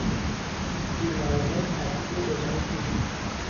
بیماریهای طبیعی دوران پیری